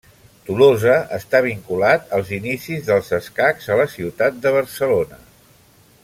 Tolosa està vinculat als inicis dels escacs a la ciutat de Barcelona.